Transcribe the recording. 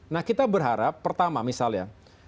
nah kita berharap pertama misalnya